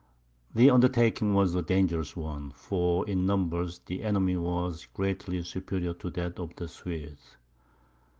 The undertaking was a dangerous one, for in numbers the enemy was greatly superior to that of the Swedes.